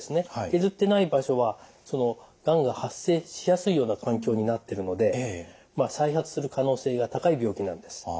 削ってない場所はがんが発生しやすいような環境になってるので再発する可能性が高い病気なんです。